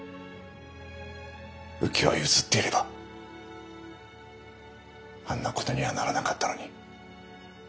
浮き輪を譲っていればあんなことにはならなかったのに。